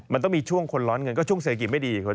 มันต้องมีช่วงคนร้อนเงินความล้อนเงิน